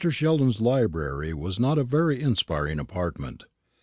Sheldon's library was not a very inspiring apartment.